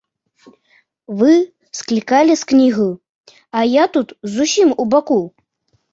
Вы склікалі з княгіняю, а я тут зусім убаку.